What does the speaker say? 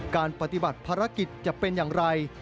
การปฏิบัติภารกิจจะเป็นอย่างไร